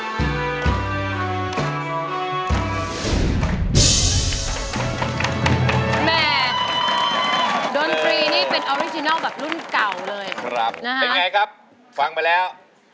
เป็นไงครับฟังไปแล้ว